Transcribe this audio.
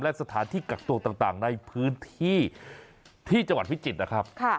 และสถานที่กักตัวต่างในพื้นที่ที่จังหวัดพิจิตรนะครับ